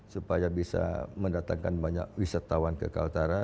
supaya bisa mendatangkan banyak wisatawan ke kalimantan utara